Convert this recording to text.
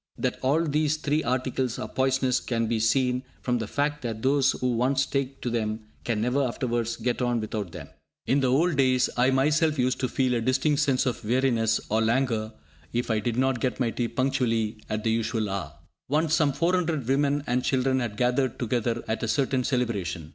That all these three articles are poisonous can be seen from the fact that those who once take to them can never afterwards get on without them. In the old days, I myself used to feel a distinct sense of weariness or langour if I did not get my tea punctually at the usual hour. Once some 400 women and children had gathered together at a certain celebration.